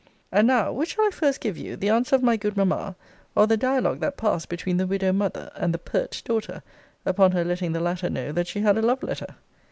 And now, which shall I first give you; the answer of my good mamma; or the dialogue that passed between the widow mother, and the pert daughter, upon her letting the latter know that she had a love letter?